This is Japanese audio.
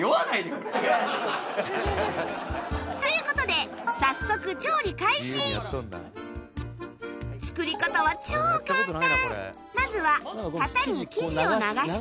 という事で早速作り方は超簡単！